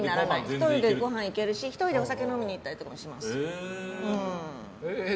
１人でごはん行けるし１人でお酒飲みに行ったりします。